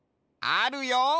あるよ！